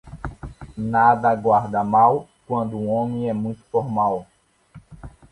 Nada aguarda mal, quando um homem é muito formal.